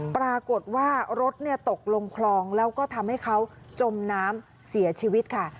ปรากฏว่ารถตกลงคลองแล้วก็ทำให้เขาจมน้ำเสียชีวิตค่ะ